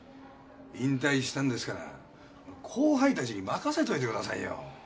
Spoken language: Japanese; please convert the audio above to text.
引退したんですから後輩たちに任せといてくださいよ。